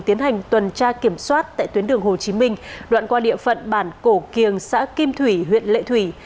tiến hành tuần tra kiểm soát tại tuyến đường hồ chí minh đoạn qua địa phận bản cổ kiềng xã kim thủy huyện lệ thủy